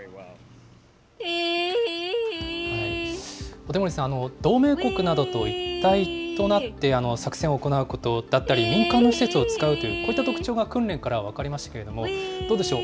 小手森さん、同盟国などと一体となって作戦を行うことだったり、民間の施設を使うという、こういった特徴が訓練から分かりましたけれども、どうでしょう？